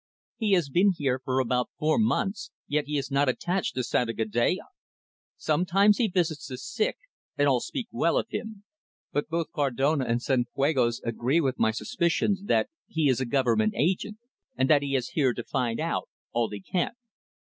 "He has been here for about four months, yet he is not attached to Santa Gadea. Sometimes he visits the sick, and all speak well of him. But both Cardona and Cienfuegos agree with my suspicions that he is a Government agent, and that he is here to find out all he can."